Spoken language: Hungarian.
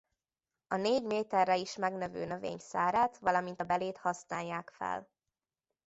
A négy méterre is megnövő növény szárát valamint a belét használják fel.